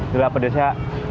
jelas pedas ya